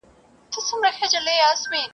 کله به رسوا سي، وايي بله ورځ !.